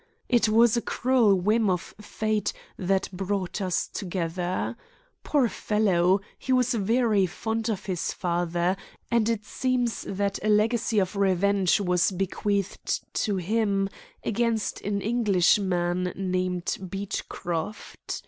It was a cruel whim of Fate that brought us together. Poor fellow! He was very fond of his father, and it seems that a legacy of revenge was bequeathed to him against an Englishman named Beechcroft.